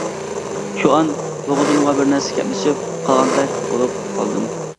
شۇ ئان بوغۇزۇمغا بىر نەرسە كەپلىشىپ قالغاندەك بولۇپ قالدىم.